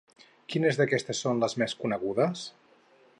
Quines d'aquestes són les més conegudes?